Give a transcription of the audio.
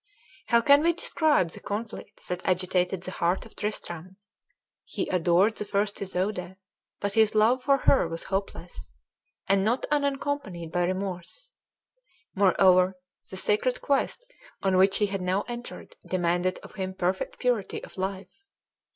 How can we describe the conflict that agitated the heart of Tristram? He adored the first Isoude, but his love for her was hopeless, and not unaccompanied by remorse. Moreover, the sacred quest on which he had now entered demanded of him perfect purity of life.